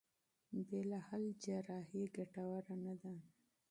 بې له حل جراحي ګټوره نه ده.